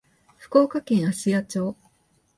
福岡県芦屋町